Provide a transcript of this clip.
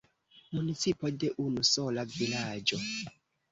Municipo de unu sola vilaĝo.